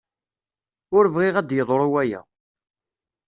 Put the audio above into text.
Ur bɣiɣ ad yeḍṛu waya.